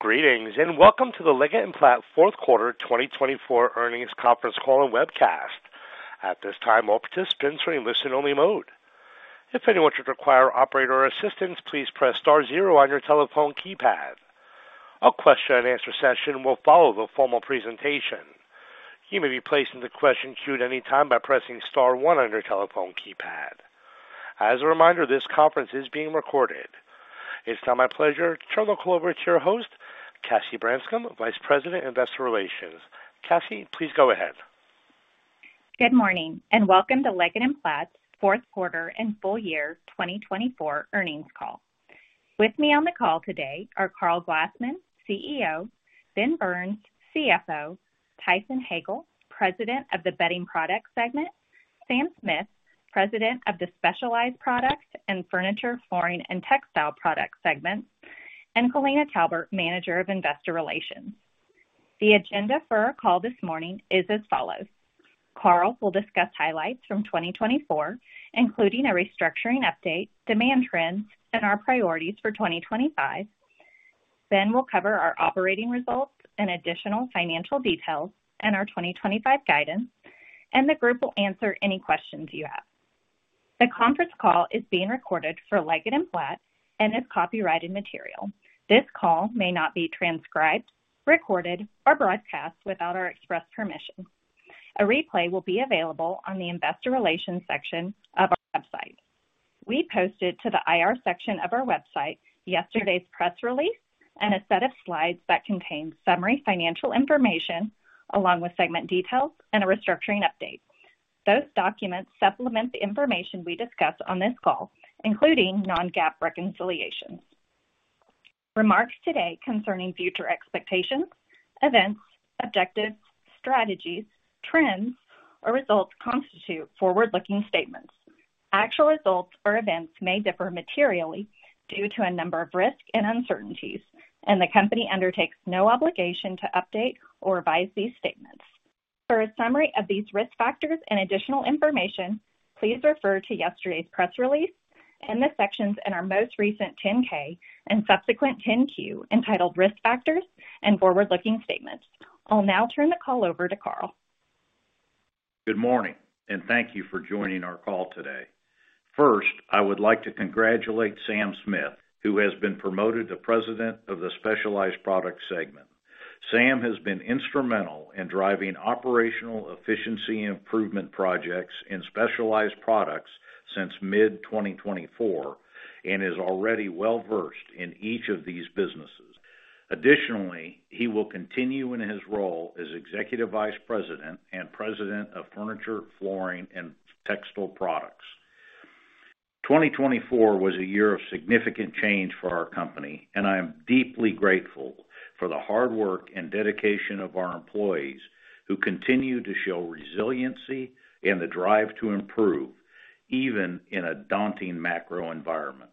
Greetings and welcome to the Leggett & Platt Fourth Quarter 2024 Earnings Conference Call and Webcast. At this time, all participants are in listen-only mode. If anyone should require operator assistance, please press star zero on your telephone keypad. A question-and-answer session will follow the formal presentation. You may be placed into question queue at any time by pressing star one on your telephone keypad. As a reminder, this conference is being recorded. It's now my pleasure to turn the call over to your host, Cassie Branscum, Vice President, Investor Relations. Cassie, please go ahead. Good morning and welcome to Leggett & Platt's Fourth Quarter and Full Year 2024 Earnings Call. With me on the call today are Karl Glassman, CEO, Ben Burns, CFO, Tyson Hagale, President of the Bedding Product Segment, Sam Smith, President of the Specialized Product and Furniture, Flooring, and Textile Product Segment, and Kalina Talbert, Manager of Investor Relations. The agenda for our call this morning is as follows: Karl will discuss highlights from 2024, including a restructuring update, demand trends, and our priorities for 2025. Ben will cover our operating results and additional financial details and our 2025 guidance, and the group will answer any questions you have. The conference call is being recorded for Leggett & Platt and is copyrighted material. This call may not be transcribed, recorded, or broadcast without our express permission. A replay will be available on the Investor Relations section of our website. We posted to the IR section of our website yesterday's press release and a set of slides that contain summary financial information along with segment details and a restructuring update. Those documents supplement the information we discuss on this call, including non-GAAP reconciliations. Remarks today concerning future expectations, events, objectives, strategies, trends, or results constitute forward-looking statements. Actual results or events may differ materially due to a number of risks and uncertainties, and the company undertakes no obligation to update or revise these statements. For a summary of these risk factors and additional information, please refer to yesterday's press release and the sections in our most recent 10-K and subsequent 10-Q entitled Risk Factors and Forward-Looking Statements. I'll now turn the call over to Karl. Good morning and thank you for joining our call today. First, I would like to congratulate Sam Smith, who has been promoted to President of the Specialized Product Segment. Sam has been instrumental in driving operational efficiency improvement projects in Specialized Products since mid-2024 and is already well-versed in each of these businesses. Additionally, he will continue in his role as Executive Vice President and President of Furniture, Flooring, and Textile Products. 2024 was a year of significant change for our company, and I am deeply grateful for the hard work and dedication of our employees who continue to show resiliency and the drive to improve even in a daunting macro environment.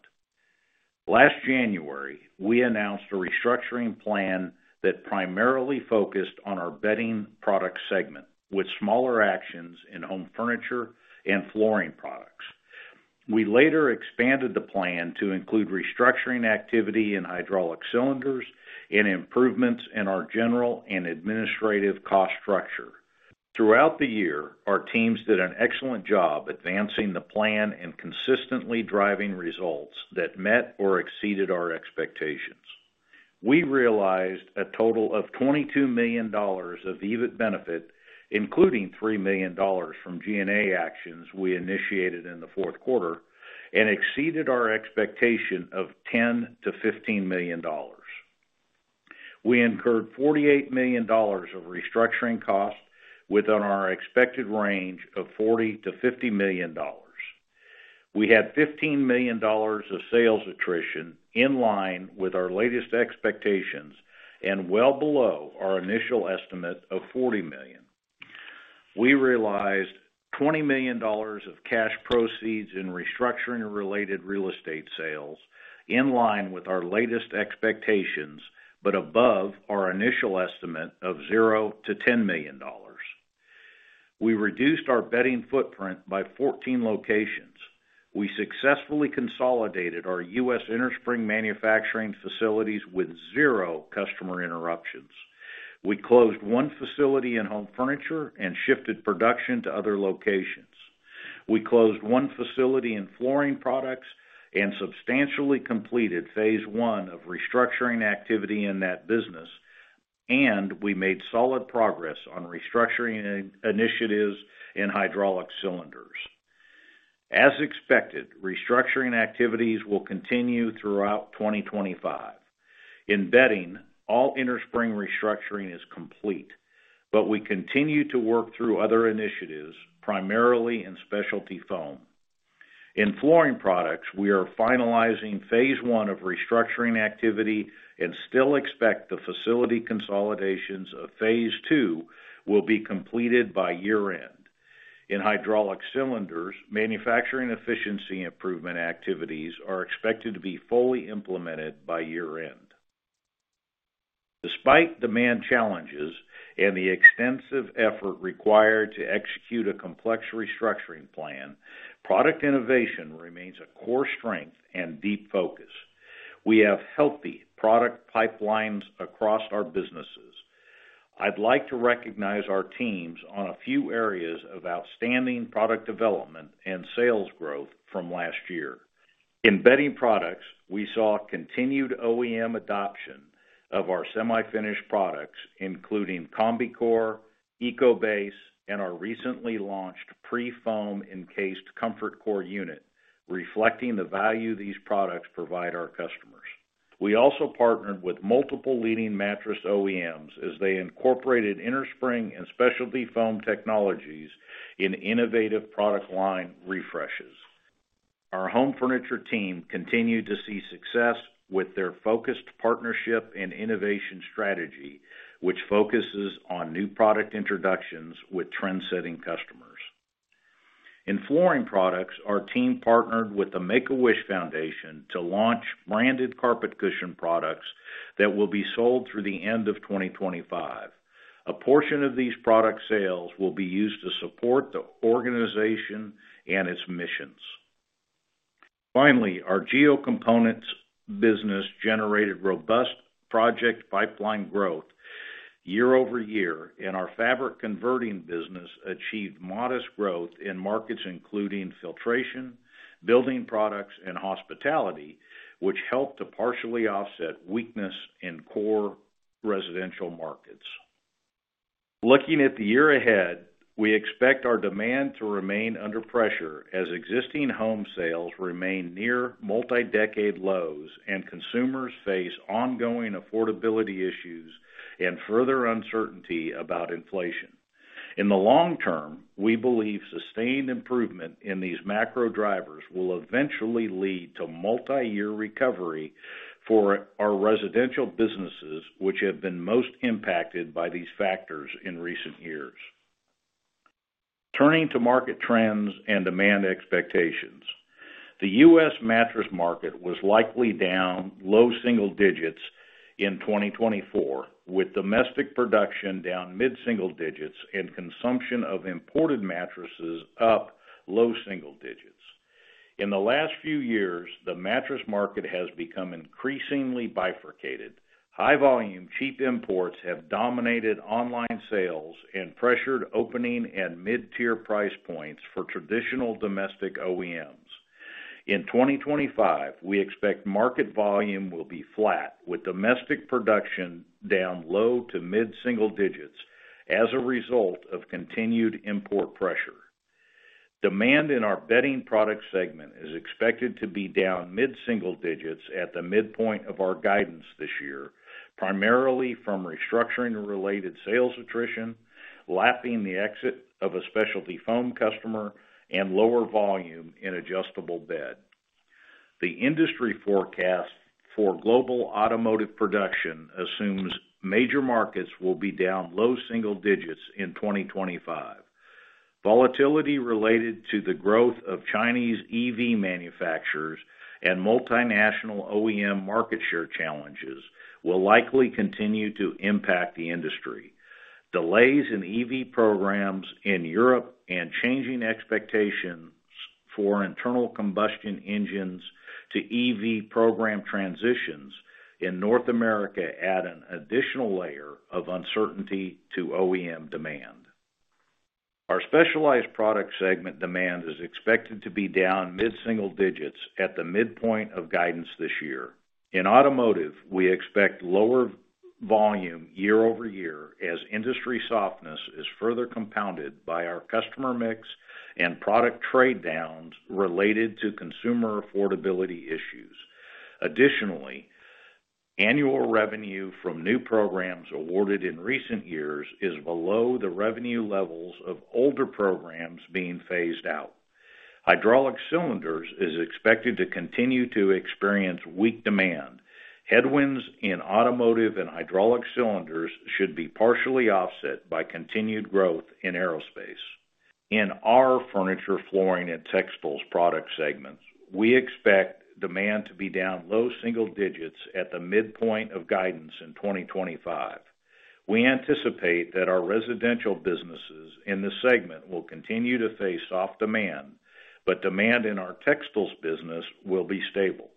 Last January, we announced a restructuring plan that primarily focused on our Bedding Product Segment with smaller actions in Home Furniture and Flooring Products. We later expanded the plan to include restructuring activity in Hydraulic Cylinders and improvements in our general and administrative cost structure. Throughout the year, our teams did an excellent job advancing the plan and consistently driving results that met or exceeded our expectations. We realized a total of $22 million of EBIT benefit, including $3 million from G&A actions we initiated in the fourth quarter, and exceeded our expectation of $10 million-$15 million. We incurred $48 million of restructuring cost within our expected range of $40 million-$50 million. We had $15 million of sales attrition in line with our latest expectations and well below our initial estimate of $40 million. We realized $20 million of cash proceeds in restructuring-related real estate sales in line with our latest expectations but above our initial estimate of $0 million-$10 million. We reduced our bedding footprint by 14 locations. We successfully consolidated our U.S. innerspring manufacturing facilities with zero customer interruptions. We closed one facility in Home Furniture and shifted production to other locations. We closed one facility in Flooring Products and substantially completed phase one of restructuring activity in that business, and we made solid progress on restructuring initiatives in Hydraulic Cylinders. As expected, restructuring activities will continue throughout 2025. In bedding, all innerspring restructuring is complete, but we continue to work through other initiatives, primarily in specialty foam. In Flooring Products, we are finalizing phase one of restructuring activity and still expect the facility consolidations of phase two will be completed by year-end. In Hydraulic Cylinders, manufacturing efficiency improvement activities are expected to be fully implemented by year-end. Despite demand challenges and the extensive effort required to execute a complex restructuring plan, product innovation remains a core strength and deep focus. We have healthy product pipelines across our businesses. I'd like to recognize our teams on a few areas of outstanding product development and sales growth from last year. In bedding products, we saw continued OEM adoption of our semi-finished products, including CombiCore, EcoBase, and our recently launched pre-foam encased ComfortCore unit, reflecting the value these products provide our customers. We also partnered with multiple leading mattress OEMs as they incorporated Innerspring and specialty foam technologies in innovative product line refreshes. Our Home Furniture team continued to see success with their focused partnership and innovation strategy, which focuses on new product introductions with trendsetting customers. In Flooring Products, our team partnered with the Make-A-Wish Foundation to launch branded carpet cushion products that will be sold through the end of 2025. A portion of these product sales will be used to support the organization and its missions. Finally, our Geo Components business generated robust project pipeline growth year over year, and our Fabric Converting business achieved modest growth in markets including filtration, building products, and hospitality, which helped to partially offset weakness in core residential markets. Looking at the year ahead, we expect our demand to remain under pressure as existing home sales remain near multi-decade lows and consumers face ongoing affordability issues and further uncertainty about inflation. In the long term, we believe sustained improvement in these macro drivers will eventually lead to multi-year recovery for our residential businesses, which have been most impacted by these factors in recent years. Turning to market trends and demand expectations, the U.S. mattress market was likely down low single digits in 2024, with domestic production down mid-single digits and consumption of imported mattresses up low single digits. In the last few years, the mattress market has become increasingly bifurcated. High-volume, cheap imports have dominated online sales and pressured opening and mid-tier price points for traditional domestic OEMs. In 2025, we expect market volume will be flat, with domestic production down low to mid-single digits as a result of continued import pressure. Demand in our Bedding Product Segment is expected to be down mid-single digits at the midpoint of our guidance this year, primarily from restructuring-related sales attrition, lapping the exit of a specialty foam customer, and lower volume in adjustable bed. The industry forecast for global Automotive production assumes major markets will be down low single digits in 2025. Volatility related to the growth of Chinese EV manufacturers and multinational OEM market share challenges will likely continue to impact the industry. Delays in EV programs in Europe and changing expectations for internal combustion engines to EV program transitions in North America add an additional layer of uncertainty to OEM demand. Our specialized product segment demand is expected to be down mid-single digits at the midpoint of guidance this year. In Automotive, we expect lower volume year over year as industry softness is further compounded by our customer mix and product trade-downs related to consumer affordability issues. Additionally, annual revenue from new programs awarded in recent years is below the revenue levels of older programs being phased out. Hydraulic Cylinders is expected to continue to experience weak demand. Headwinds in Automotive and Hydraulic Cylinders should be partially offset by continued growth in Aerospace. In our furniture, flooring, and Textiles product segments, we expect demand to be down low single digits at the midpoint of guidance in 2025. We anticipate that our residential businesses in this segment will continue to face soft demand, but demand in our Textiles business will be stable.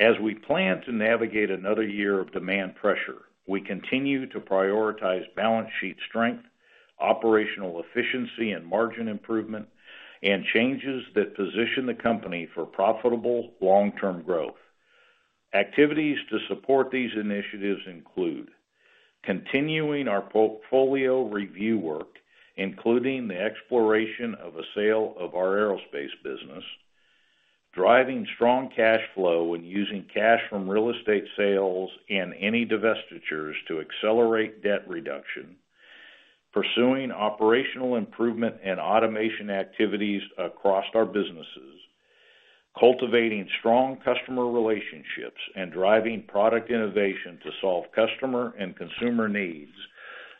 As we plan to navigate another year of demand pressure, we continue to prioritize balance sheet strength, operational efficiency and margin improvement, and changes that position the company for profitable long-term growth. Activities to support these initiatives include continuing our portfolio review work, including the exploration of a sale of our Aerospace business, driving strong cash flow when using cash from real estate sales and any divestitures to accelerate debt reduction, pursuing operational improvement and automation activities across our businesses, cultivating strong customer relationships and driving product innovation to solve customer and consumer needs,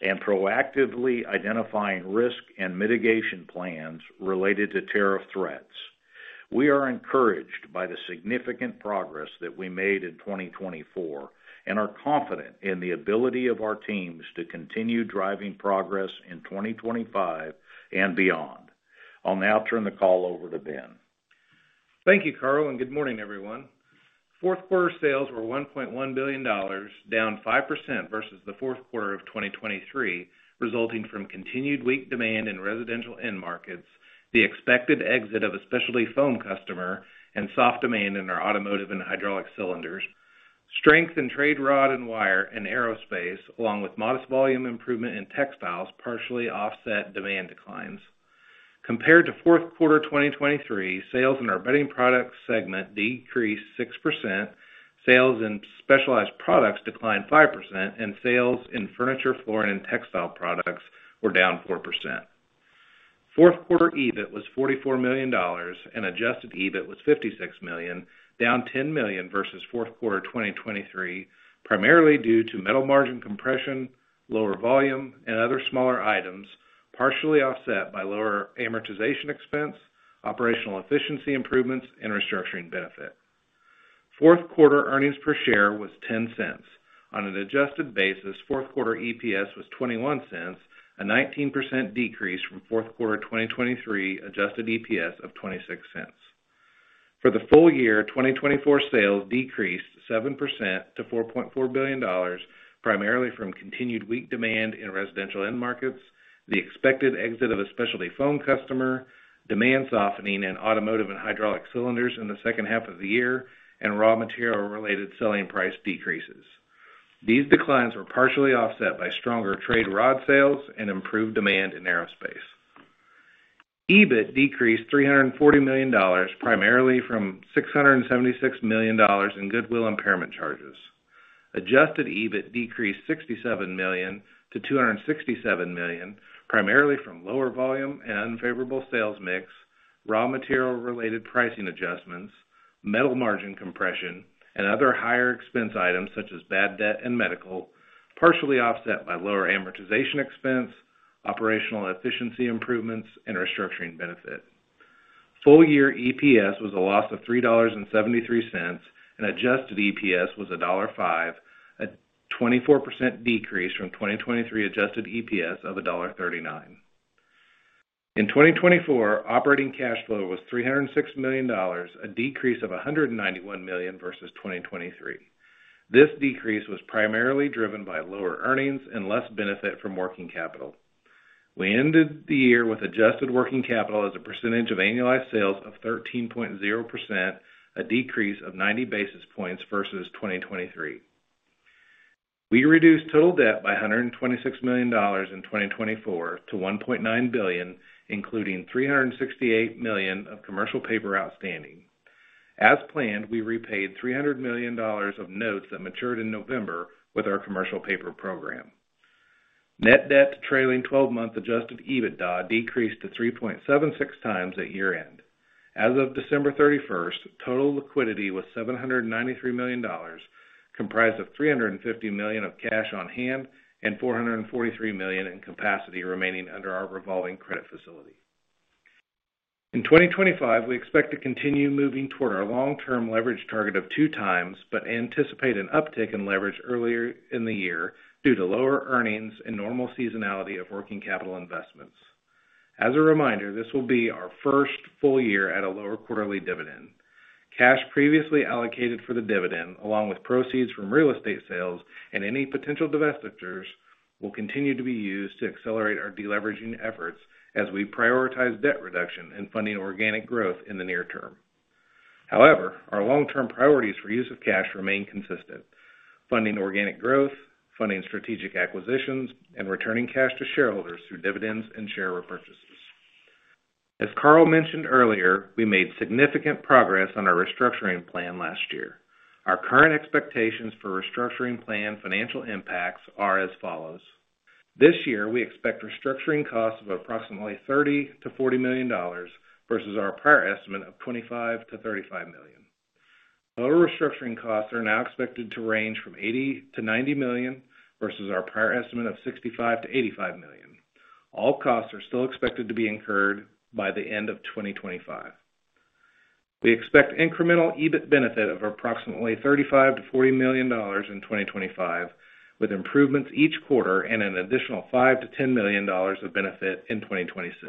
and proactively identifying risk and mitigation plans related to tariff threats. We are encouraged by the significant progress that we made in 2024 and are confident in the ability of our teams to continue driving progress in 2025 and beyond. I'll now turn the call over to Ben. Thank you, Karl, and good morning, everyone. Fourth quarter sales were $1.1 billion, down 5% versus the fourth quarter of 2023, resulting from continued weak demand in residential end markets, the expected exit of a specialty foam customer, and soft demand in our Automotive and Hydraulic Cylinders. Strength in Trade Rod and Wire and Aerospace, along with modest volume improvement in Textiles, partially offset demand declines. Compared to fourth quarter 2023, sales in our Bedding Product Segment decreased 6%, sales in Specialized Products declined 5%, and sales in Furniture, Flooring, and Textile Products were down 4%. Fourth quarter EBIT was $44 million, and adjusted EBIT was $56 million, down $10 million versus fourth quarter 2023, primarily due to metal margin compression, lower volume, and other smaller items, partially offset by lower amortization expense, operational efficiency improvements, and restructuring benefit. Fourth quarter earnings per share was $0.10. On an adjusted basis, fourth quarter EPS was $0.21, a 19% decrease from fourth quarter 2023 adjusted EPS of $0.26. For the full year, 2024 sales decreased 7% to $4.4 billion, primarily from continued weak demand in residential end markets, the expected exit of a specialty foam customer, demand softening in Automotive and Hydraulic Cylinders in the second half of the year, and raw material-related selling price decreases. These declines were partially offset by stronger trade rod sales and improved demand in Aerospace. EBIT decreased $340 million, primarily from $676 million in goodwill impairment charges. Adjusted EBIT decreased $67 million-$267 million, primarily from lower volume and unfavorable sales mix, raw material-related pricing adjustments, metal margin compression, and other higher expense items such as bad debt and medical, partially offset by lower amortization expense, operational efficiency improvements, and restructuring benefit. Full-year EPS was a loss of $3.73, and adjusted EPS was $1.05, a 24% decrease from 2023 adjusted EPS of $1.39. In 2024, operating cash flow was $306 million, a decrease of $191 million versus 2023. This decrease was primarily driven by lower earnings and less benefit from working capital. We ended the year with adjusted working capital as a percentage of annualized sales of 13.0%, a decrease of 90 basis points versus 2023. We reduced total debt by $126 million in 2024 to $1.9 billion, including $368 million of commercial paper outstanding. As planned, we repaid $300 million of notes that matured in November with our commercial paper program. Net debt trailing 12-month adjusted EBITDA decreased to 3.76 times at year-end. As of December 31st, total liquidity was $793 million, comprised of $350 million of cash on hand and $443 million in capacity remaining under our revolving credit facility. In 2025, we expect to continue moving toward our long-term leverage target of two times, but anticipate an uptick in leverage earlier in the year due to lower earnings and normal seasonality of working capital investments. As a reminder, this will be our first full year at a lower quarterly dividend. Cash previously allocated for the dividend, along with proceeds from real estate sales and any potential divestitures, will continue to be used to accelerate our deleveraging efforts as we prioritize debt reduction and funding organic growth in the near term. However, our long-term priorities for use of cash remain consistent: funding organic growth, funding strategic acquisitions, and returning cash to shareholders through dividends and share repurchases. As Karl mentioned earlier, we made significant progress on our restructuring plan last year. Our current expectations for restructuring plan financial impacts are as follows. This year, we expect restructuring costs of approximately $30 million-$40 million versus our prior estimate of $25 million-$35 million. Total restructuring costs are now expected to range from $80 million-$90 million versus our prior estimate of $65 million-$85 million. All costs are still expected to be incurred by the end of 2025. We expect incremental EBIT benefit of approximately $35 million-$40 million in 2025, with improvements each quarter and an additional $5 million-$10 million of benefit in 2026.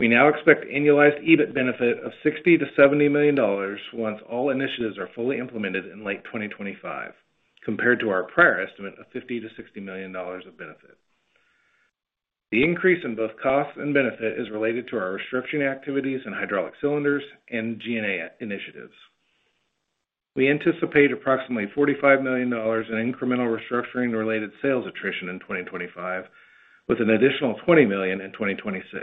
We now expect annualized EBIT benefit of $60 million-$70 million once all initiatives are fully implemented in late 2025, compared to our prior estimate of $50 million-$60 million of benefit. The increase in both costs and benefit is related to our restructuring activities in Hydraulic Cylinders and G&A initiatives. We anticipate approximately $45 million in incremental restructuring-related sales attrition in 2025, with an additional $20 million in 2026.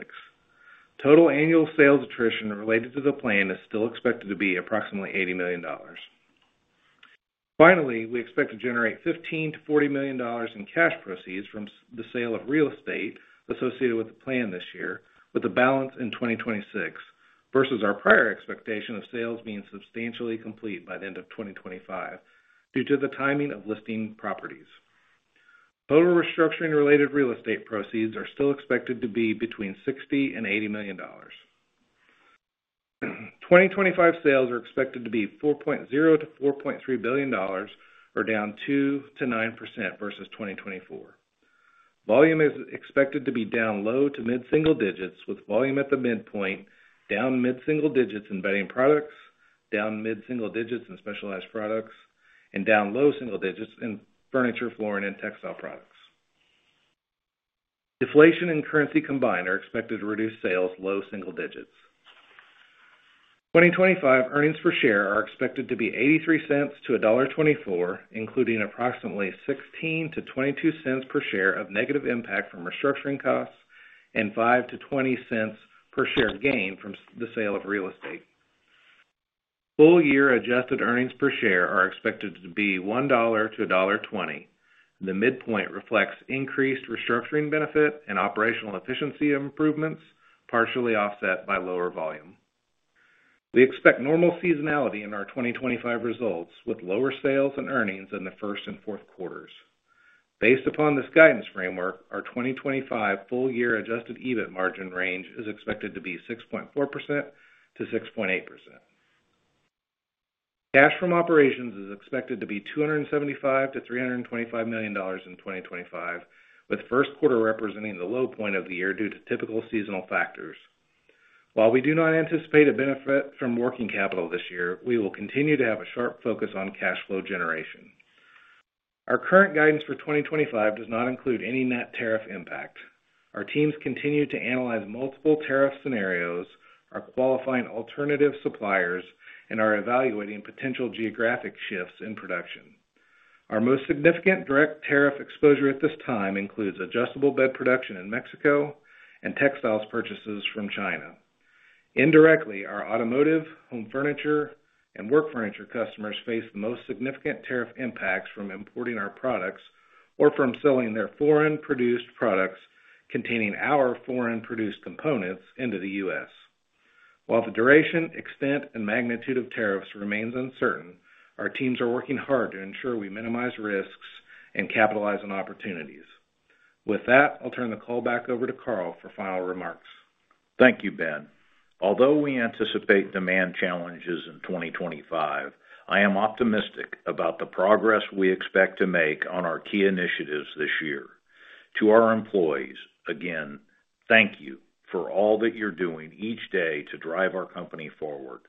Total annual sales attrition related to the plan is still expected to be approximately $80 million. Finally, we expect to generate $15 million-$40 million in cash proceeds from the sale of real estate associated with the plan this year, with a balance in 2026 versus our prior expectation of sales being substantially complete by the end of 2025 due to the timing of listing properties. Total restructuring-related real estate proceeds are still expected to be between $60 million and $80 million. 2025 sales are expected to be $4.0 million-$4.3 billion, or down 2-9% versus 2024. Volume is expected to be down low to mid-single digits, with volume at the midpoint, down mid-single digits in bedding products, down mid-single digits in Specialized Products, and down low single digits in Furniture, Flooring, and Textile Products. Deflation and currency combined are expected to reduce sales low single digits. 2025 earnings per share are expected to be $0.83-$1.24, including approximately $0.16-$0.22 per share of negative impact from restructuring costs and $0.05-$0.20 per share gain from the sale of real estate. Full year adjusted earnings per share are expected to be $1-$1.20. The midpoint reflects increased restructuring benefit and operational efficiency improvements, partially offset by lower volume. We expect normal seasonality in our 2025 results, with lower sales and earnings in the first and fourth quarters. Based upon this guidance framework, our 2025 full year adjusted EBIT margin range is expected to be 6.4%-6.8%. Cash from operations is expected to be $275 million-$325 million in 2025, with first quarter representing the low point of the year due to typical seasonal factors. While we do not anticipate a benefit from working capital this year, we will continue to have a sharp focus on cash flow generation. Our current guidance for 2025 does not include any net tariff impact. Our teams continue to analyze multiple tariff scenarios, are qualifying alternative suppliers, and are evaluating potential geographic shifts in production. Our most significant direct tariff exposure at this time includes adjustable bed production in Mexico and Textiles purchases from China. Indirectly, our Automotive, Home Furniture, and Work Furniture customers face the most significant tariff impacts from importing our products or from selling their foreign-produced products containing our foreign-produced components into the U.S. While the duration, extent, and magnitude of tariffs remains uncertain, our teams are working hard to ensure we minimize risks and capitalize on opportunities. With that, I'll turn the call back over to Karl for final remarks. Thank you, Ben. Although we anticipate demand challenges in 2025, I am optimistic about the progress we expect to make on our key initiatives this year. To our employees, again, thank you for all that you're doing each day to drive our company forward.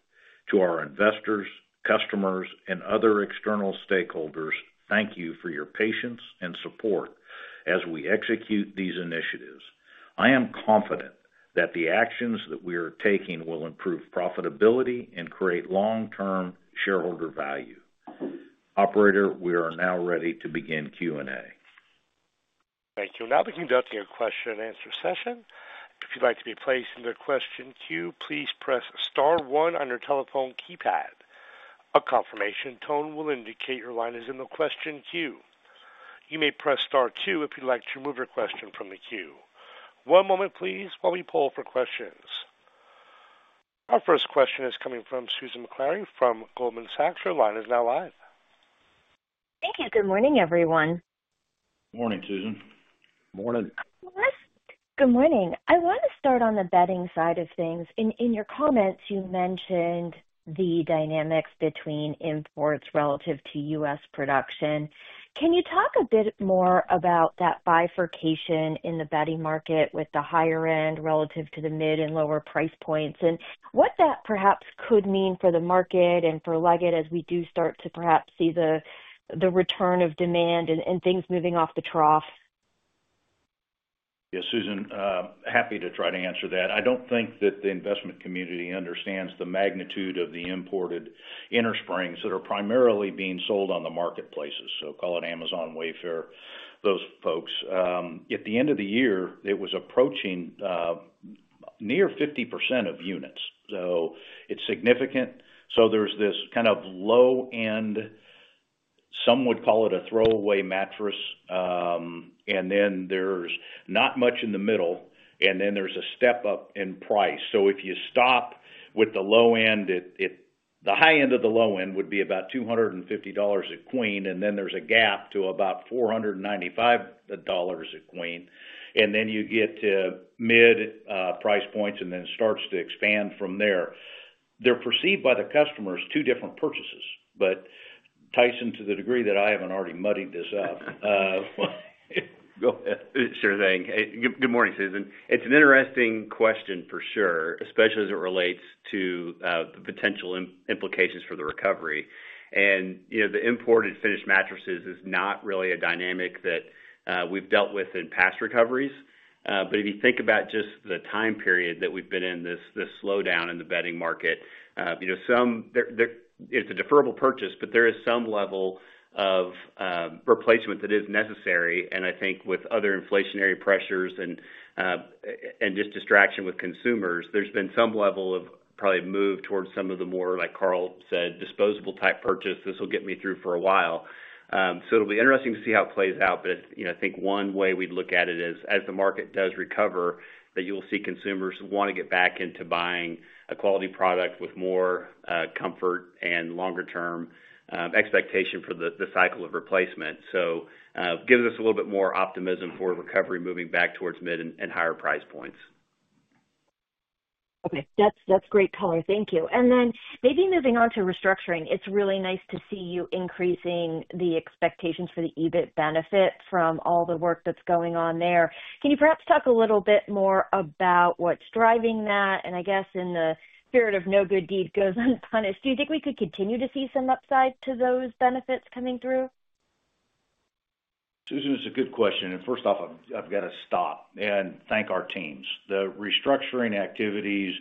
To our investors, customers, and other external stakeholders, thank you for your patience and support as we execute these initiatives. I am confident that the actions that we are taking will improve profitability and create long-term shareholder value. Operator, we are now ready to begin Q&A. Thank you. Now we can go to your question-and-answer session. If you'd like to be placed in the question queue, please press star one on your telephone keypad. A confirmation tone will indicate your line is in the question queue. You may press star two if you'd like to remove your question from the queue. One moment, please, while we pull for questions. Our first question is coming from Susan Maklari from Goldman Sachs. Her line is now live. Thank you. Good morning, everyone. Morning, Susan. Morning. Good morning. I want to start on the bedding side of things. In your comments, you mentioned the dynamics between imports relative to U.S. production. Can you talk a bit more about that bifurcation in the bedding market with the higher end relative to the mid and lower price points and what that perhaps could mean for the market and for Leggett as we do start to perhaps see the return of demand and things moving off the trough? Yes, Susan. Happy to try to answer that. I don't think that the investment community understands the magnitude of the imported innersprings that are primarily being sold on the marketplaces, so call it Amazon, Wayfair, those folks. At the end of the year, it was approaching near 50% of units. So it's significant. So there's this kind of low-end, some would call it a throwaway mattress, and then there's not much in the middle, and then there's a step up in price. So if you stop with the low end, the high end of the low end would be about $250 a queen, and then there's a gap to about $495 a queen, and then you get to mid price points and then starts to expand from there. They're perceived by the customers as two different purchases, but Tyson, to the degree that I haven't already muddied this up. Go ahead. Sure thing. Good morning, Susan. It's an interesting question for sure, especially as it relates to the potential implications for the recovery, and the imported finished mattresses is not really a dynamic that we've dealt with in past recoveries, but if you think about just the time period that we've been in this slowdown in the bedding market, it's a deferable purchase, but there is some level of replacement that is necessary. I think with other inflationary pressures and just distraction with consumers, there's been some level of probably a move towards some of the more, like Karl said, disposable-type purchase. This will get me through for a while. So it'll be interesting to see how it plays out. But I think one way we'd look at it is as the market does recover, that you will see consumers want to get back into buying a quality product with more comfort and longer-term expectation for the cycle of replacement. So it gives us a little bit more optimism for recovery moving back towards mid and higher price points. Okay. That's great, Karl. Thank you. And then maybe moving on to restructuring, it's really nice to see you increasing the expectations for the EBIT benefit from all the work that's going on there. Can you perhaps talk a little bit more about what's driving that? And I guess in the spirit of no good deed goes unpunished, do you think we could continue to see some upside to those benefits coming through? Susan, it's a good question. And first off, I've got to stop and thank our teams. The restructuring activities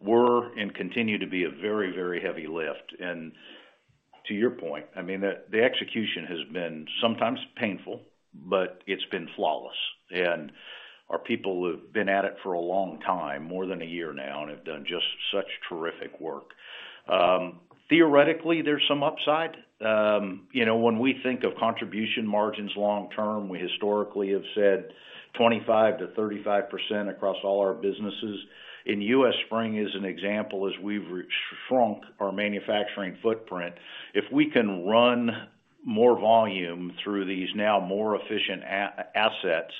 were and continue to be a very, very heavy lift. And to your point, I mean, the execution has been sometimes painful, but it's been flawless. And our people have been at it for a long time, more than a year now, and have done just such terrific work. Theoretically, there's some upside. When we think of contribution margins long-term, we historically have said 25%-35% across all our businesses. In U.S. Spring is an example as we've shrunk our manufacturing footprint. If we can run more volume through these now more efficient assets,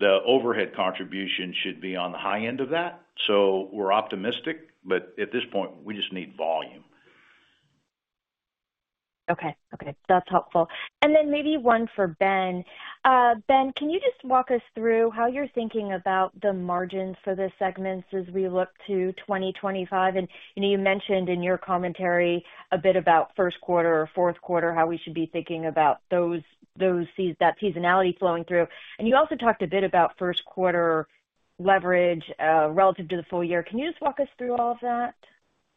the overhead contribution should be on the high end of that. So we're optimistic, but at this point, we just need volume. Okay. Okay. That's helpful. And then maybe one for Ben. Ben, can you just walk us through how you're thinking about the margins for the segments as we look to 2025? And you mentioned in your commentary a bit about first quarter or fourth quarter, how we should be thinking about that seasonality flowing through. And you also talked a bit about first quarter leverage relative to the full year. Can you just walk us through all of that?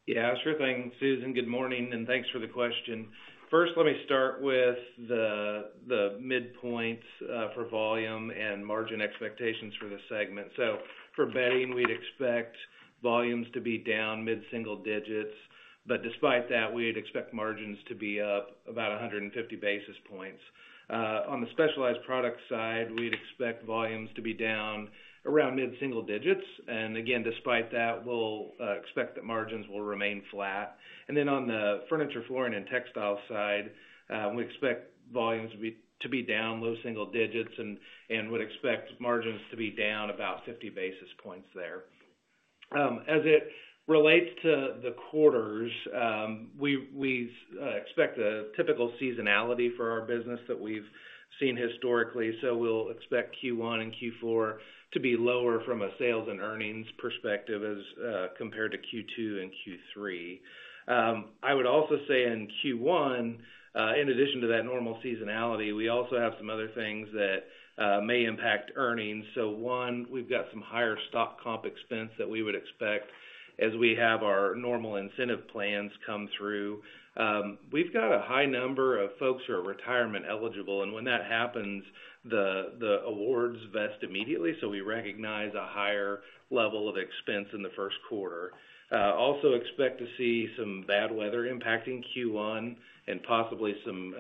Yeah. Sure thing, Susan. Good morning, and thanks for the question. First, let me start with the midpoint for volume and margin expectations for the segment. So for bedding, we'd expect volumes to be down mid-single digits. But despite that, we'd expect margins to be up about 150 basis points. On the specialized product side, we'd expect volumes to be down around mid-single digits. And again, despite that, we'll expect that margins will remain flat. And then on the furniture, flooring, and textile side, we expect volumes to be down low single digits and would expect margins to be down about 50 basis points there. As it relates to the quarters, we expect the typical seasonality for our business that we've seen historically. So we'll expect Q1 and Q4 to be lower from a sales and earnings perspective as compared to Q2 and Q3. I would also say in Q1, in addition to that normal seasonality, we also have some other things that may impact earnings. So one, we've got some higher stock comp expense that we would expect as we have our normal incentive plans come through. We've got a high number of folks who are retirement eligible. And when that happens, the awards vest immediately, so we recognize a higher level of expense in the first quarter. Also expect to see some bad weather impacting Q1 and possibly some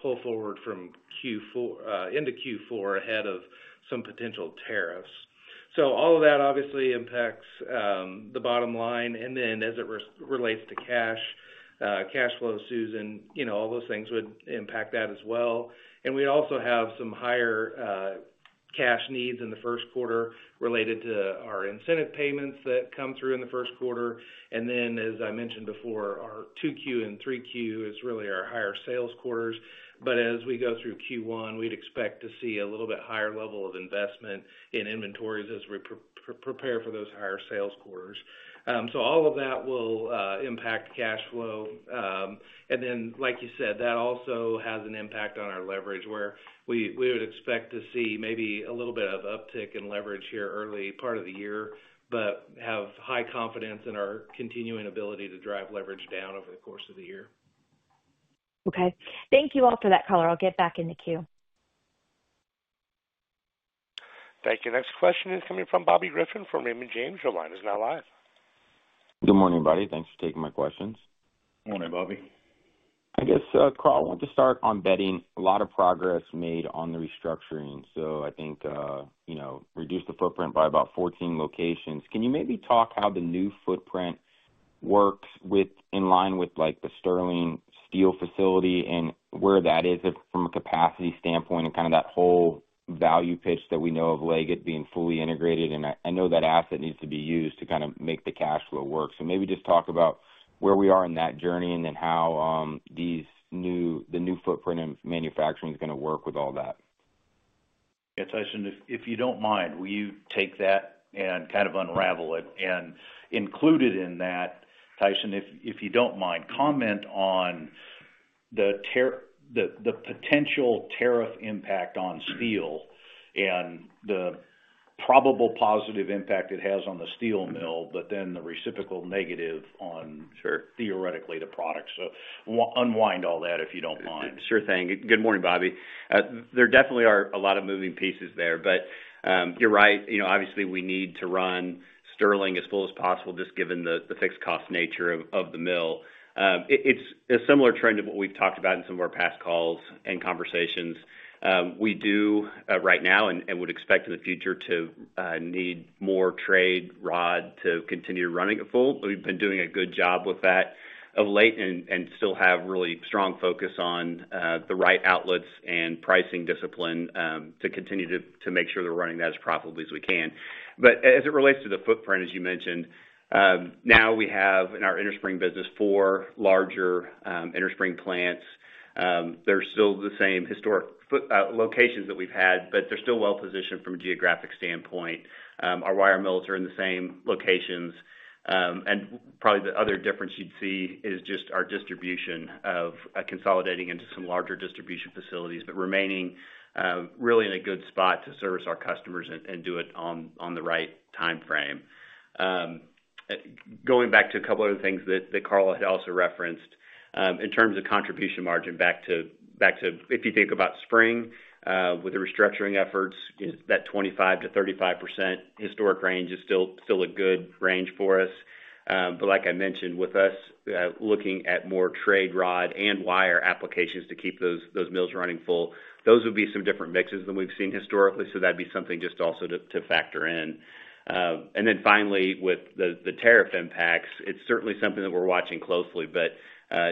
pull forward into Q4 ahead of some potential tariffs. So all of that obviously impacts the bottom line. And then as it relates to cash flow, Susan, all those things would impact that as well. And we also have some higher cash needs in the first quarter related to our incentive payments that come through in the first quarter. And then, as I mentioned before, our 2Q and 3Q is really our higher sales quarters. But as we go through Q1, we'd expect to see a little bit higher level of investment in inventories as we prepare for those higher sales quarters. So all of that will impact cash flow. And then, like you said, that also has an impact on our leverage, where we would expect to see maybe a little bit of uptick in leverage here early part of the year, but have high confidence in our continuing ability to drive leverage down over the course of the year. Okay. Thank you all for that, Karl. I'll get back in the queue. Thank you. Next question is coming from Bobby Griffin from Raymond James. Your line is now live. Good morning, buddy. Thanks for taking my questions. Morning, Bobby. I guess Karl wanted to start on bedding. A lot of progress made on the restructuring. So, I think reduced the footprint by about 14 locations. Can you maybe talk how the new footprint works in line with the Sterling Steel facility and where that is from a capacity standpoint and kind of that whole value pitch that we know of Leggett being fully integrated? And I know that asset needs to be used to kind of make the cash flow work. So maybe just talk about where we are in that journey and then how the new footprint in manufacturing is going to work with all that. Yeah, Tyson, if you don't mind, will you take that and kind of unravel it and include it in that? Tyson, if you don't mind, comment on the potential tariff impact on steel and the probable positive impact it has on the steel mill, but then the reciprocal negative on theoretically the product. So unwind all that if you don't mind. Sure thing. Good morning, Bobby. There definitely are a lot of moving pieces there. But you're right. Obviously, we need to run Sterling as full as possible just given the fixed cost nature of the mill. It's a similar trend to what we've talked about in some of our past calls and conversations. We do right now and would expect in the future to need more trade rod to continue running it full. We've been doing a good job with that of late and still have really strong focus on the right outlets and pricing discipline to continue to make sure we're running that as profitably as we can. But as it relates to the footprint, as you mentioned, now we have in our innerspring business four larger innerspring plants. They're still the same historic locations that we've had, but they're still well-positioned from a geographic standpoint. Our wire mills are in the same locations, and probably the other difference you'd see is just our distribution of consolidating into some larger distribution facilities, but remaining really in a good spot to service our customers and do it on the right timeframe. Going back to a couple of other things that Karl had also referenced, in terms of contribution margin back to, if you think about spring with the restructuring efforts, that 25%-35% historic range is still a good range for us, but like I mentioned, with us looking at more Trade Rod and Wire applications to keep those mills running full, those would be some different mixes than we've seen historically, so that'd be something just also to factor in. And then finally, with the tariff impacts, it's certainly something that we're watching closely. But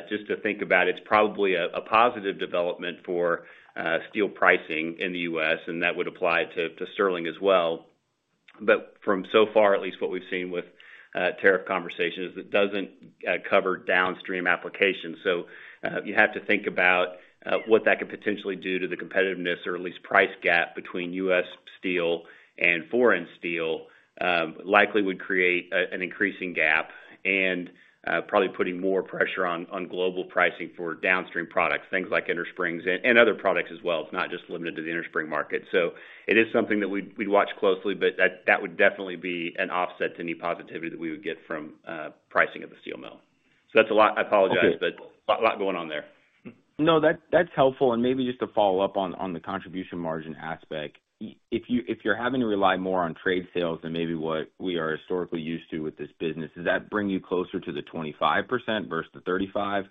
just to think about it, it's probably a positive development for steel pricing in the U.S., and that would apply to Sterling as well. But so far, at least what we've seen with tariff conversations, it doesn't cover downstream applications. So you have to think about what that could potentially do to the competitiveness or at least price gap between U.S. steel and foreign steel, likely would create an increasing gap and probably putting more pressure on global pricing for downstream products, things like innersprings and other products as well. It's not just limited to the innerspring market. So it is something that we'd watch closely, but that would definitely be an offset to any positivity that we would get from pricing of the steel mill. So that's a lot. I apologize, but a lot going on there. No, that's helpful. And maybe just to follow up on the contribution margin aspect, if you're having to rely more on trade sales than maybe what we are historically used to with this business, does that bring you closer to the 25% versus the 35%?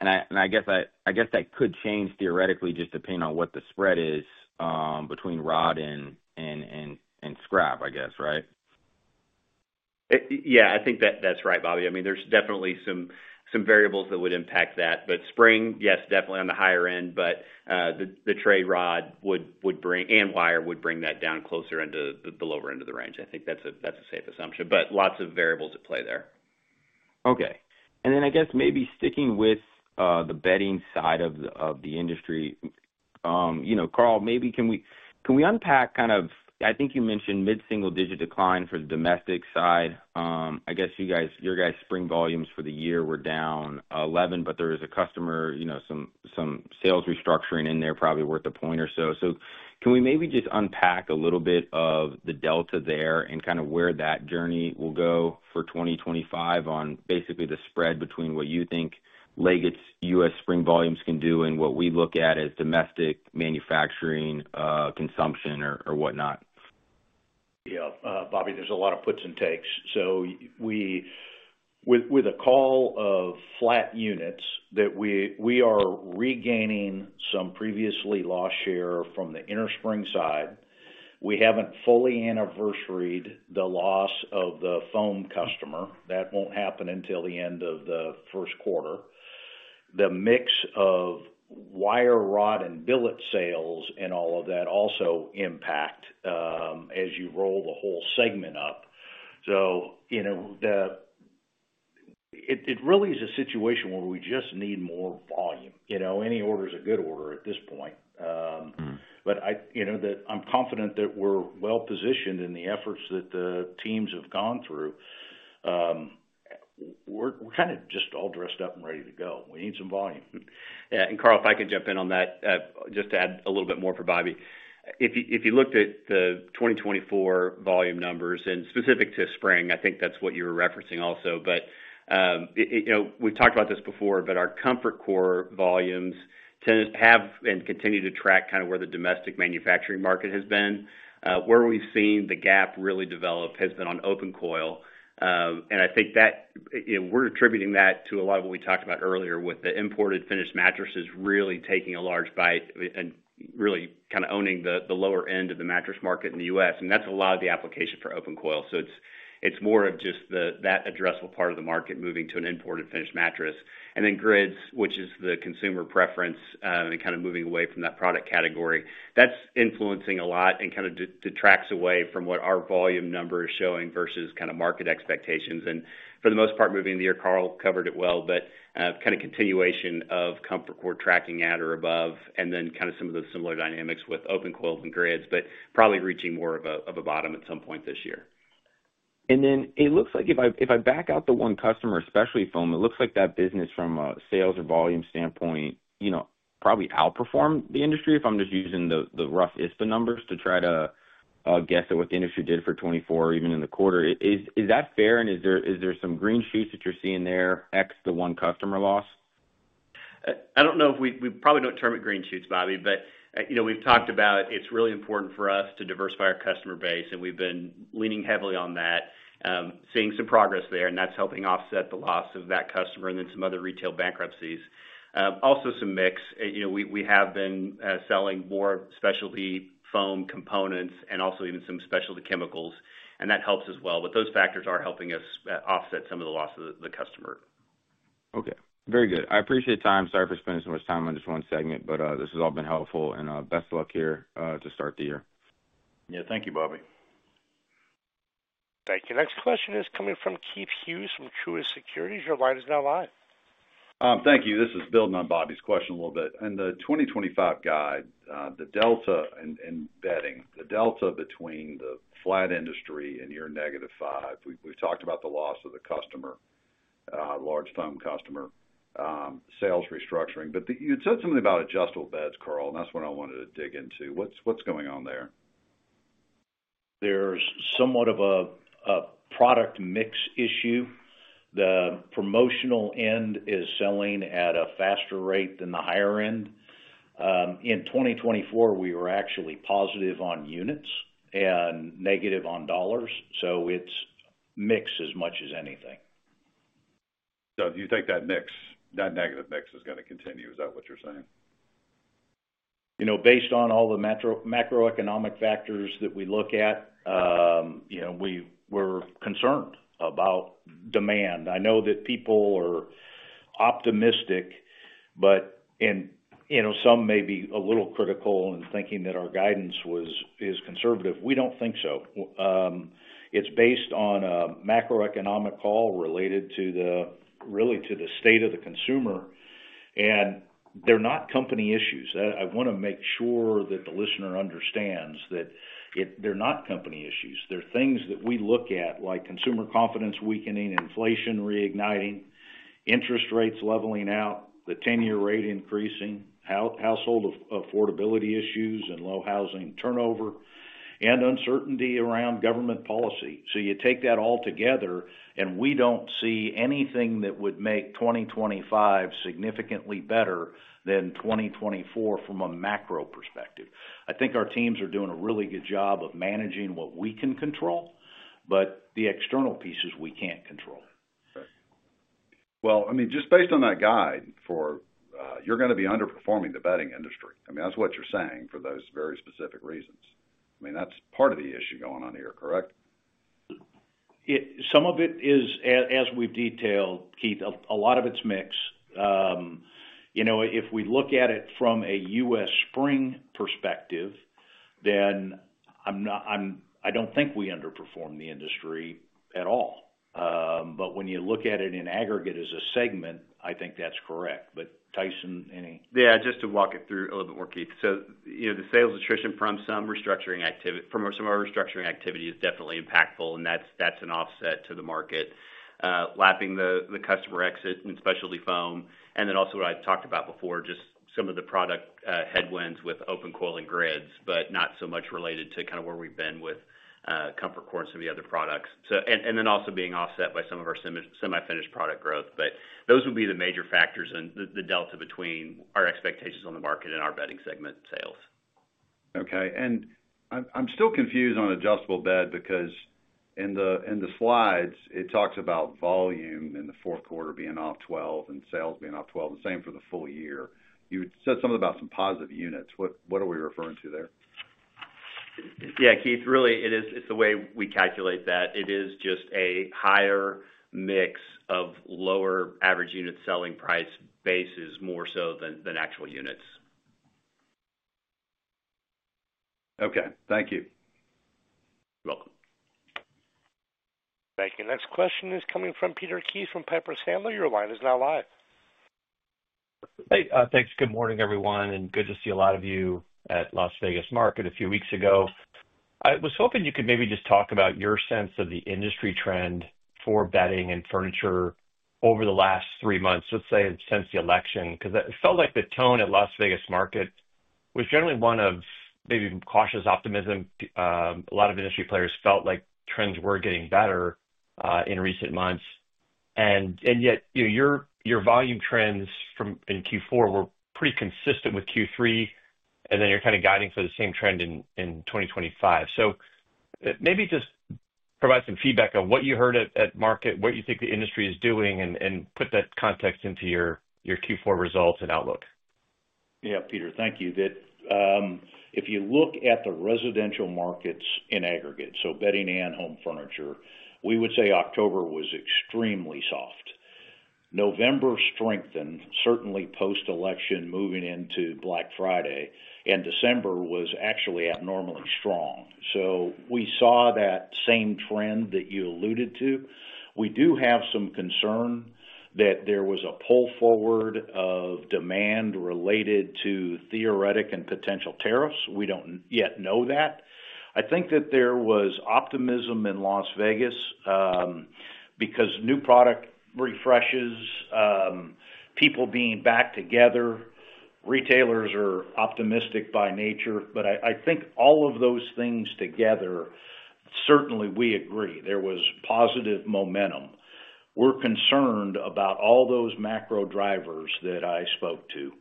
And I guess that could change theoretically just depending on what the spread is between rod and scrap, I guess, right? Yeah, I think that's right, Bobby. I mean, there's definitely some variables that would impact that. But spring, yes, definitely on the higher end, but the Trade Rod and Wire would bring that down closer into the lower end of the range. I think that's a safe assumption, but lots of variables at play there. Okay. Then I guess maybe sticking with the bedding side of the industry, Karl, maybe can we unpack kind of, I guess you mentioned mid-single-digit decline for the domestic side. I guess your guys' spring volumes for the year were down 11%, but there is a customer, some sales restructuring in there probably worth a point or so. So can we maybe just unpack a little bit of the delta there and kind of where that journey will go for 2025 on basically the spread between what you think Leggett's U.S. spring volumes can do and what we look at as domestic manufacturing consumption or whatnot? Yeah. Bobby, there's a lot of puts and takes. So with a call of flat units that we are regaining some previously lost share from the innerspring side, we haven't fully anniversaried the loss of the foam customer. That won't happen until the end of the first quarter. The mix of wire rod and billet sales and all of that also impact as you roll the whole segment up. So it really is a situation where we just need more volume. Any order is a good order at this point. But I'm confident that we're well-positioned in the efforts that the teams have gone through. We're kind of just all dressed up and ready to go. We need some volume. Yeah. And Karl, if I could jump in on that, just to add a little bit more for Bobby. If you looked at the 2024 volume numbers and specific to spring, I think that's what you were referencing also. But we've talked about this before, but our comfort core volumes have and continue to track kind of where the domestic manufacturing market has been. Where we've seen the gap really develop has been on open coil. I think that we're attributing that to a lot of what we talked about earlier with the imported finished mattresses really taking a large bite and really kind of owning the lower end of the mattress market in the U.S. That's a lot of the application for open coil. It's more of just that addressable part of the market moving to an imported finished mattress. Then grids, which is the consumer preference and kind of moving away from that product category, that's influencing a lot and kind of detracts away from what our volume number is showing versus kind of market expectations. And for the most part, moving the year, Karl covered it well, but kind of continuation of ComfortCore tracking at or above, and then kind of some of the similar dynamics with open coils and grids, but probably reaching more of a bottom at some point this year. And then it looks like if I back out the one customer, especially foam, it looks like that business from a sales or volume standpoint probably outperformed the industry, if I'm just using the rough ISPA numbers to try to guess at what the industry did for 2024, even in the quarter. Is that fair? And is there some green shoots that you're seeing there ex the one customer loss? I don't know if we probably don't term it green shoots, Bobby, but we've talked about it's really important for us to diversify our customer base, and we've been leaning heavily on that, seeing some progress there, and that's helping offset the loss of that customer and then some other retail bankruptcies. Also some mix. We have been selling more specialty foam components and also even some specialty chemicals, and that helps as well. But those factors are helping us offset some of the loss of the customer. Okay. Very good. I appreciate the time. Sorry for spending so much time on just one segment, but this has all been helpful, and best of luck here to start the year. Yeah. Thank you, Bobby. Thank you. Next question is coming from Keith Hughes from Truist Securities. Your line is now live. Thank you. This is building on Bobby's question a little bit. In the 2025 guide, the delta in bedding, the delta between the flat industry and your negative five, we've talked about the loss of the customer, large foam customer, sales restructuring. But you had said something about adjustable beds, Karl, and that's what I wanted to dig into. What's going on there? There's somewhat of a product mix issue. The promotional end is selling at a faster rate than the higher end. In 2024, we were actually positive on units and negative on dollars. So it's mixed as much as anything. So you think that negative mix is going to continue. Is that what you're saying? Based on all the macroeconomic factors that we look at, we're concerned about demand. I know that people are optimistic, but some may be a little critical in thinking that our guidance is conservative. We don't think so. It's based on a macroeconomic call related really to the state of the consumer, and they're not company issues. I want to make sure that the listener understands that they're not company issues. They're things that we look at, like consumer confidence weakening, inflation reigniting, interest rates leveling out, the 10-year rate increasing, household affordability issues, and low housing turnover, and uncertainty around government policy, so you take that all together, and we don't see anything that would make 2025 significantly better than 2024 from a macro perspective. I think our teams are doing a really good job of managing what we can control, but the external pieces we can't control. Well, I mean, just based on that guide, you're going to be underperforming the bedding industry. I mean, that's what you're saying for those very specific reasons. I mean, that's part of the issue going on here, correct? Some of it is, as we've detailed, Keith, a lot of it's mixed. If we look at it from a U.S. spring perspective, then I don't think we underperform the industry at all. But when you look at it in aggregate as a segment, I think that's correct. But Tyson, any? Yeah, just to walk it through a little bit more, Keith. So the sales attrition from some restructuring activity is definitely impactful, and that's an offset to the market, lapping the customer exit in specialty foam. And then also what I talked about before, just some of the product headwinds with open coil and grids, but not so much related to kind of where we've been with comfort core and some of the other products. And then also being offset by some of our semi-finished product growth. But those would be the major factors and the delta between our expectations on the market and our bedding segment sales. Okay. And I'm still confused on adjustable bed because in the slides, it talks about volume in the fourth quarter being off 12% and sales being off 12%, and same for the full year. You said something about some positive units. What are we referring to there? Yeah, Keith, really, it is the way we calculate that. It is just a higher mix of lower average unit selling price bases more so than actual units. Okay. Thank you. You're welcome. Thank you. Next question is coming from Peter Keith from Piper Sandler. Your line is now live. Hey. Thanks. Good morning, everyone. And good to see a lot of you at Las Vegas Market a few weeks ago. I was hoping you could maybe just talk about your sense of the industry trend for bedding and furniture over the last three months, let's say since the election, because it felt like the tone at Las Vegas Market was generally one of maybe cautious optimism. A lot of industry players felt like trends were getting better in recent months. And yet your volume trends in Q4 were pretty consistent with Q3, and then you're kind of guiding for the same trend in 2025. So maybe just provide some feedback on what you heard at market, what you think the industry is doing, and put that context into your Q4 results and outlook. Yeah, Peter, thank you. If you look at the residential markets in aggregate, so bedding and Home Furniture, we would say October was extremely soft. November strengthened, certainly post-election moving into Black Friday, and December was actually abnormally strong. So we saw that same trend that you alluded to. We do have some concern that there was a pull forward of demand related to theoretical and potential tariffs. We don't yet know that. I think that there was optimism in Las Vegas because new product refreshes, people being back together. Retailers are optimistic by nature, but I think all of those things together, certainly we agree. There was positive momentum. We're concerned about all those macro drivers that I spoke to.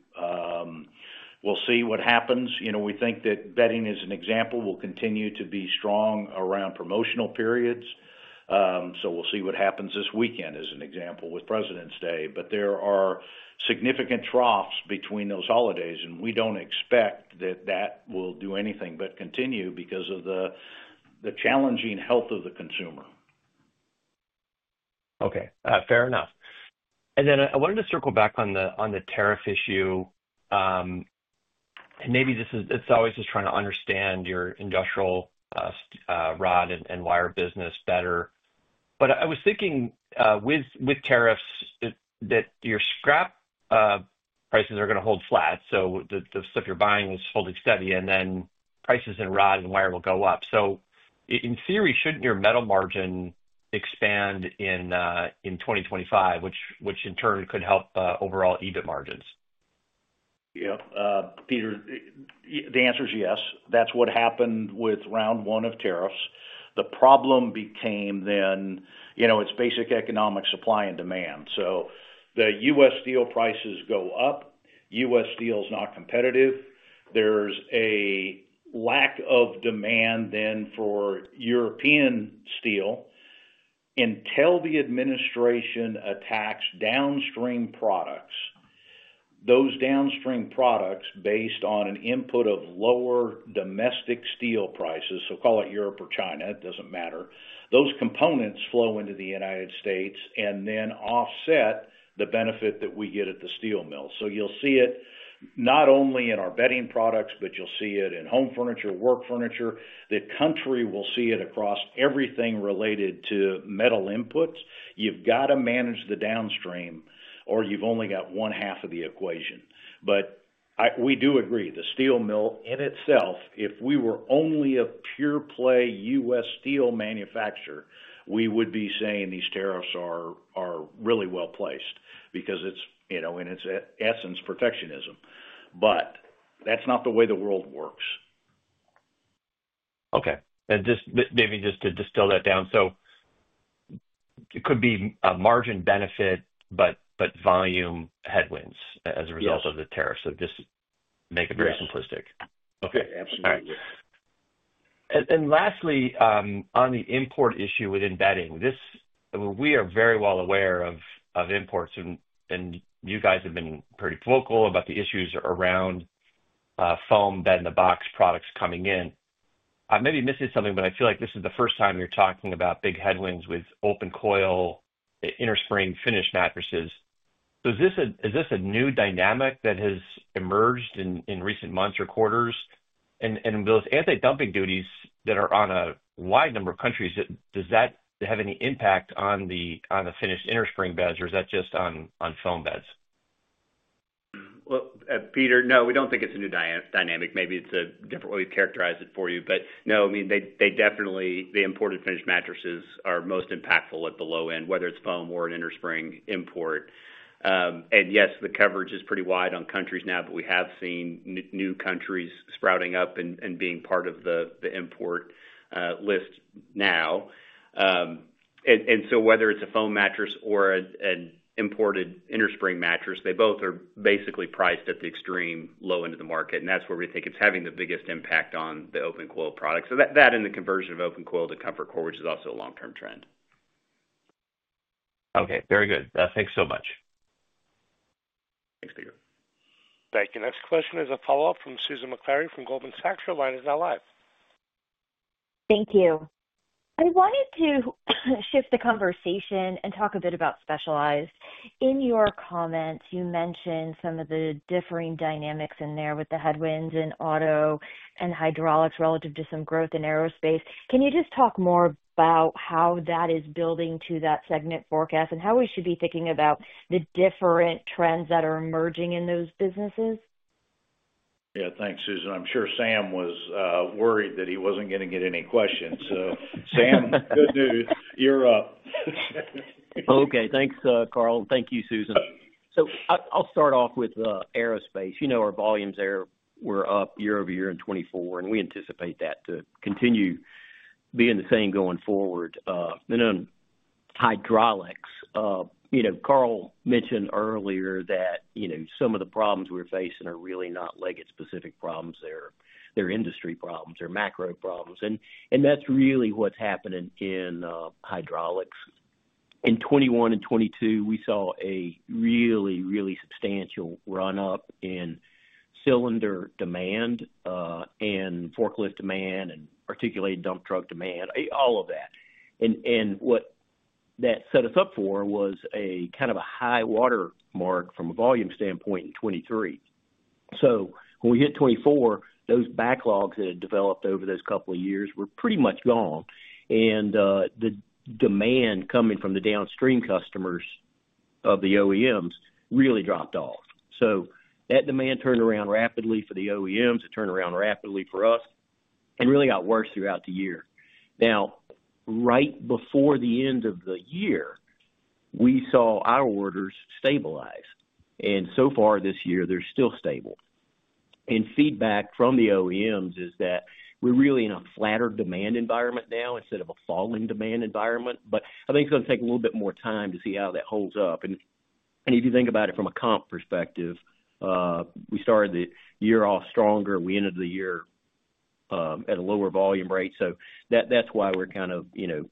We'll see what happens. We think that bedding, as an example, will continue to be strong around promotional periods. So we'll see what happens this weekend, as an example, with Presidents' Day. But there are significant troughs between those holidays, and we don't expect that that will do anything but continue because of the challenging health of the consumer. Okay. Fair enough. And then I wanted to circle back on the tariff issue. And maybe this is always just trying to understand your industrial rod and wire business better. But I was thinking with tariffs that your scrap prices are going to hold flat. So the stuff you're buying is holding steady, and then prices in rod and wire will go up. So in theory, shouldn't your metal margin expand in 2025, which in turn could help overall EBIT margins? Yeah. Peter, the answer is yes. That's what happened with round one of tariffs. The problem became then it's basic economic supply and demand. So the U.S. steel prices go up. U.S. steel is not competitive. There's a lack of demand then for European steel. Until the administration attacks downstream products, those downstream products based on an input of lower domestic steel prices, so call it Europe or China, it doesn't matter, those components flow into the United States and then offset the benefit that we get at the steel mill. So you'll see it not only in our bedding products, but you'll see it in Home Furniture, Work Furniture. The country will see it across everything related to metal inputs. You've got to manage the downstream, or you've only got one half of the equation. But we do agree the steel mill in itself, if we were only a pure-play U.S. steel manufacturer, we would be saying these tariffs are really well placed because it's, in its essence, protectionism. But that's not the way the world works. Okay. Maybe just to distill that down, so it could be a margin benefit, but volume headwinds as a result of the tariffs. Just make it very simplistic. Okay. Absolutely. Lastly, on the import issue within bedding, we are very well aware of imports, and you guys have been pretty vocal about the issues around foam bed-in-the-box products coming in. I may be missing something, but I feel like this is the first time you're talking about big headwinds with open coil, innerspring finished mattresses. Is this a new dynamic that has emerged in recent months or quarters? And those anti-dumping duties that are on a wide number of countries, does that have any impact on the finished innerspring beds, or is that just on foam beds? Peter, no, we don't think it's a new dynamic. Maybe it's a different way we've characterized it for you. But no, I mean, they definitely, the imported finished mattresses are most impactful at the low end, whether it's foam or an innerspring import. And yes, the coverage is pretty wide on countries now, but we have seen new countries sprouting up and being part of the import list now. And so whether it's a foam mattress or an imported innerspring mattress, they both are basically priced at the extreme low end of the market. And that's where we think it's having the biggest impact on the open coil products. So that and the conversion of open coil to ComfortCore is also a long-term trend. Okay. Very good. Thanks so much. Thanks, Peter. Thank you. Next question is a follow-up from Susan Maklari from Goldman Sachs. Your line is now live. Thank you. I wanted to shift the conversation and talk a bit about Specialized. In your comments, you mentioned some of the differing dynamics in there with the headwinds in auto and hydraulics relative to some growth in Aerospace. Can you just talk more about how that is building to that segment forecast and how we should be thinking about the different trends that are emerging in those businesses? Yeah. Thanks, Susan. I'm sure Sam was worried that he wasn't going to get any questions. So Sam, good news. You're up. Okay. Thanks, Karl. Thank you, Susan. So I'll start off with Aerospace. Our volumes were up year over year in 2024, and we anticipate that to continue being the same going forward, and then hydraulics, Karl mentioned earlier that some of the problems we're facing are really not Leggett-specific problems. They're industry problems. They're macro problems. And that's really what's happening in hydraulics. In 2021 and 2022, we saw a really, really substantial run-up in cylinder demand and forklift demand and articulated dump truck demand, all of that. And what that set us up for was a kind of a high water mark from a volume standpoint in 2023. So when we hit 2024, those backlogs that had developed over those couple of years were pretty much gone. And the demand coming from the downstream customers of the OEMs really dropped off. So that demand turned around rapidly for the OEMs. It turned around rapidly for us and really got worse throughout the year. Now, right before the end of the year, we saw our orders stabilize. And so far this year, they're still stable. And feedback from the OEMs is that we're really in a flatter demand environment now instead of a falling demand environment. But I think it's going to take a little bit more time to see how that holds up. And if you think about it from a comp perspective, we started the year off stronger. We ended the year at a lower volume rate. So that's why we're kind of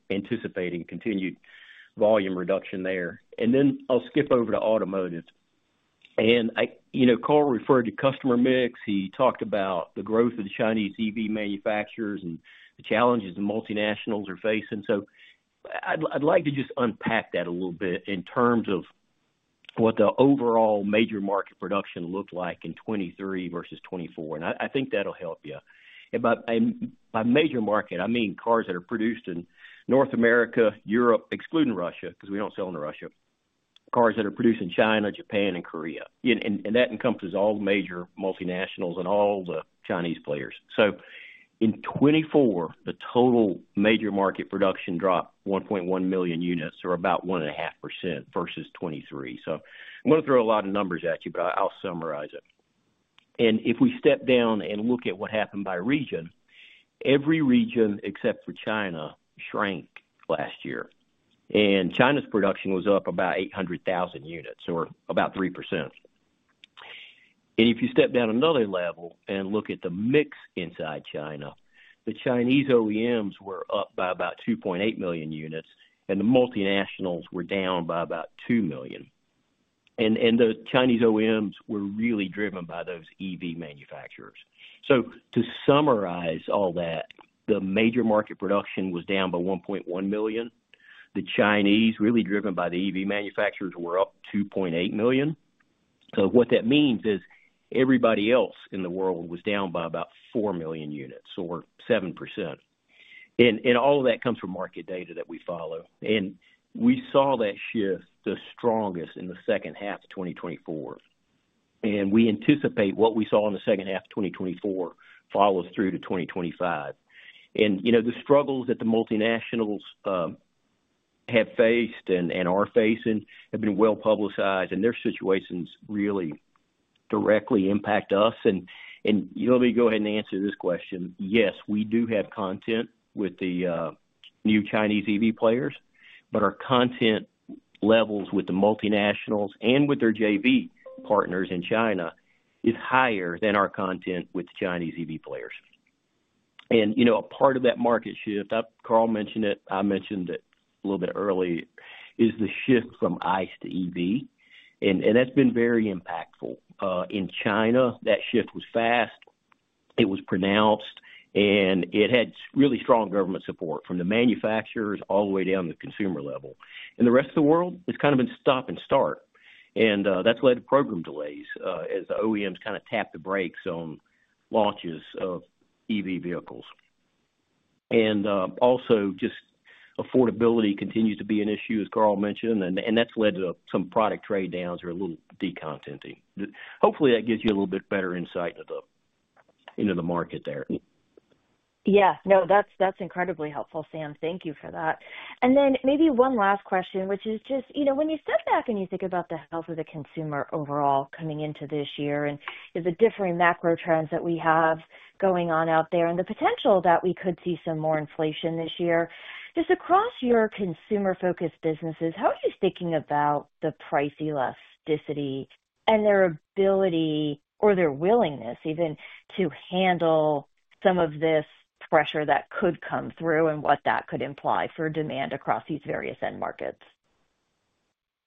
anticipating continued volume reduction there. And then I'll skip over to Automotive. And Karl referred to customer mix. He talked about the growth of the Chinese EV manufacturers and the challenges the multinationals are facing. So I'd like to just unpack that a little bit in terms of what the overall major market production looked like in 2023 versus 2024. And I think that'll help you. By major market, I mean cars that are produced in North America, Europe, excluding Russia, because we don't sell into Russia, cars that are produced in China, Japan, and Korea. And that encompasses all the major multinationals and all the Chinese players. So in 2024, the total major market production dropped 1.1 million units or about 1.5% versus 2023. So I'm going to throw a lot of numbers at you, but I'll summarize it. And if we step down and look at what happened by region, every region except for China shrank last year. And China's production was up about 800,000 units or about 3%. And if you step down another level and look at the mix inside China, the Chinese OEMs were up by about 2.8 million units, and the multinationals were down by about 2 million. And the Chinese OEMs were really driven by those EV manufacturers. So to summarize all that, the major market production was down by 1.1 million. The Chinese, really driven by the EV manufacturers, were up 2.8 million. So what that means is everybody else in the world was down by about four million units or 7%. And all of that comes from market data that we follow. And we saw that shift the strongest in the second half of 2024. And we anticipate what we saw in the second half of 2024 follows through to 2025. And the struggles that the multinationals have faced and are facing have been well publicized, and their situations really directly impact us. And let me go ahead and answer this question. Yes, we do have content with the new Chinese EV players, but our content levels with the multinationals and with their JV partners in China is higher than our content with the Chinese EV players. And a part of that market shift, Karl mentioned it. I mentioned it a little bit earlier, is the shift from ICE to EV. And that's been very impactful. In China, that shift was fast. It was pronounced, and it had really strong government support from the manufacturers all the way down to the consumer level. And the rest of the world has kind of been stop and start. And that's led to program delays as the OEMs kind of tapped the brakes on launches of EV vehicles. And also, just affordability continues to be an issue, as Karl mentioned, and that's led to some product trade downs or a little decontenting. Hopefully, that gives you a little bit better insight into the market there. Yeah. No, that's incredibly helpful, Sam. Thank you for that. And then maybe one last question, which is just when you step back and you think about the health of the consumer overall coming into this year and the differing macro trends that we have going on out there and the potential that we could see some more inflation this year, just across your consumer-focused businesses, how are you thinking about the price elasticity and their ability or their willingness even to handle some of this pressure that could come through and what that could imply for demand across these various end markets?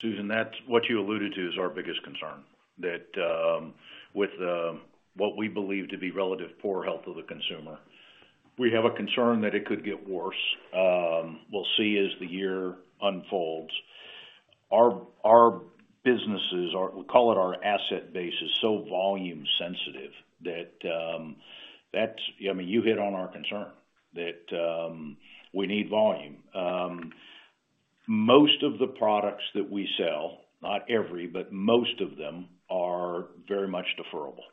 Susan, that's what you alluded to is our biggest concern, that with what we believe to be relative poor health of the consumer, we have a concern that it could get worse. We'll see as the year unfolds. Our businesses, we call it our asset base, is so volume-sensitive that, I mean, you hit on our concern that we need volume. Most of the products that we sell, not every, but most of them are very much deferable.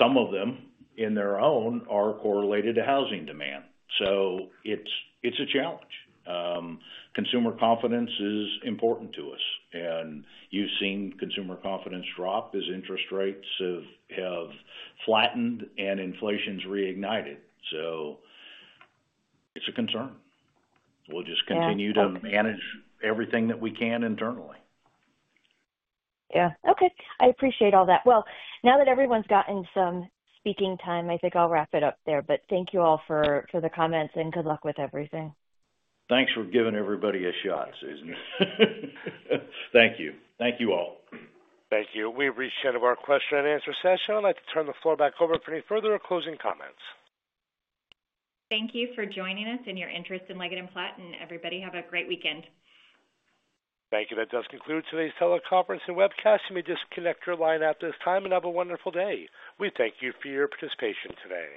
Some of them, in their own, are correlated to housing demand. So it's a challenge. Consumer confidence is important to us. And you've seen consumer confidence drop as interest rates have flattened and inflation's reignited. So it's a concern. We'll just continue to manage everything that we can internally. Yeah. Okay. I appreciate all that. Well, now that everyone's gotten some speaking time, I think I'll wrap it up there. But thank you all for the comments, and good luck with everything. Thanks for giving everybody a shot, Susan. Thank you. Thank you all. Thank you. We've reached the end of our question and answer session. I'd like to turn the floor back over for any further or closing comments. Thank you for joining us and your interest in Leggett & Platt, and everybody have a great weekend. Thank you. That does conclude today's teleconference and webcast. You may disconnect your line at this time, and have a wonderful day. We thank you for your participation today.